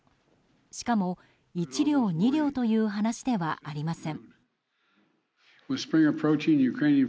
しかも、１両、２両という話ではありません。